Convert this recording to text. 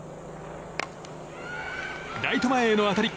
ライト前への当たり。